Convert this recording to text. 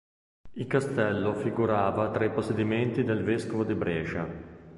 Il castello figurava fra i possedimenti del vescovo di Brescia.